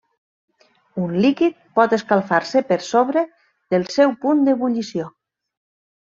Un líquid pot escalfar-se per sobre del seu punt d'ebullició.